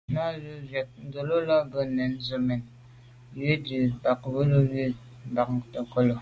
Nə̀ là’tə̌ wud, ndʉ̂lαlα mbə̌ nə̀ soŋ mɛ̌n zə̀ ò bə̂ yi lα, bə α̂ ju zə̀ mbὰwəlô kû’ni nə̀ ghʉ̀ mbὰndʉ̌kəlô lα.